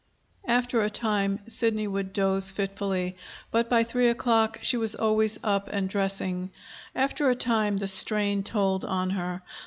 After a time Sidney would doze fitfully. But by three o'clock she was always up and dressing. After a time the strain told on her.